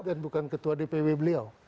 dan bukan ketua dpw beliau